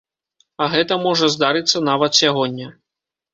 А гэта можа здарыцца нават сягоння.